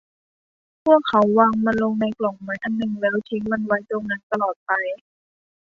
พวกเขาวางมันลงในกล่องไม้อันหนึ่งแล้วทิ้งมันไว้ตรงนั้นตลอดไป